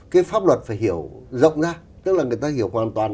cái pháp luật phải hiểu rộng ra tức là người ta hiểu hoàn toàn